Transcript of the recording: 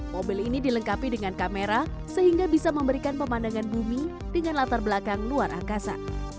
mobil ini dilengkapi dengan kamera sehingga bisa memberikan pemandangan bumi dengan latar belakang luar angkasa